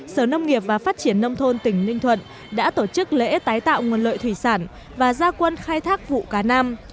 sở nông nghiệp và phát triển nông thôn tỉnh ninh thuận đã tổ chức lễ tái tạo nguồn lợi thủy sản và gia quân khai thác vụ cá nam